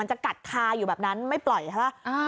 จะกัดคาอยู่แบบนั้นไม่ปล่อยใช่ป่ะ